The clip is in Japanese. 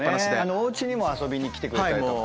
お家にも遊びに来てくれたりとか。